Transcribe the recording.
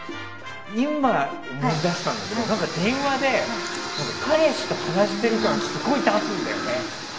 今、思い出したんだけど電話で彼氏と話してる感をすごく出すんだよね。